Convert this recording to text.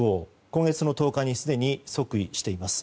今月１０日にすでに即位してます。